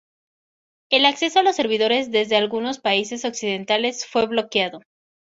El acceso a los servidores desde algunos de los países occidentales fue bloqueado.